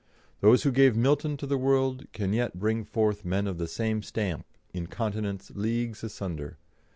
Those who gave Milton to the world can yet bring forth men of the same stamp in continents leagues asunder.